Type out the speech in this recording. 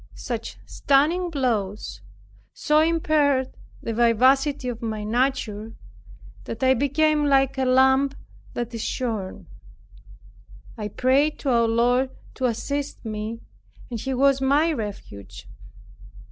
Such stunning blows so impaired the vivacity of my nature, that I became like a lamb that is shorn. I prayed to our Lord to assist me, and He was my refuge.